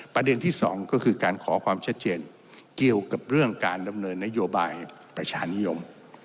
ประเด็นที่สองก็คือการขอความชัดเจนเกี่ยวกับเรื่องการดำเนินนโยบายประชานิยม